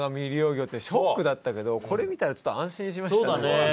魚ってショックだったけどこれ見たら安心しましたね。